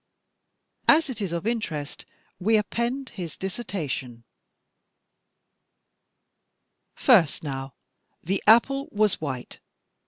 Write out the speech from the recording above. As it is of interest, we append his dissertation: "First, now, the apple was white.